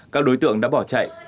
các đối tượng đã bỏ chạy